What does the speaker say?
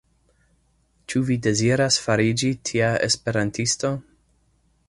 Ĉu vi deziras fariĝi tia Esperantisto?